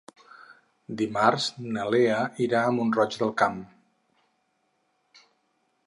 Dimarts na Lea irà a Mont-roig del Camp.